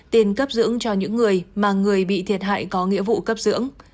tiền cấp dưỡng cho những người mà người bị thiệt hại có nghĩa vụ cấp dưỡng